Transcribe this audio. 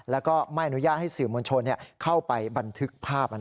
แล้วก็ไม่อนุญาตให้สื่อมวลชนเข้าไปบันทึกภาพ